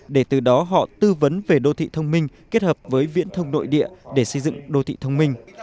để từ đó họ tư vấn về đô thị thông minh kết hợp với viễn thông nội địa để xây dựng đô thị thông minh